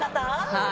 はい。